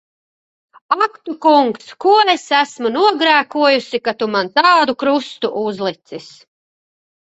Ak tu Kungs! Ko es esmu nogrēkojusi, ka tu man tādu krustu uzlicis!